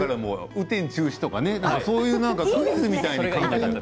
雨天中止とかそういうクイズみたいに？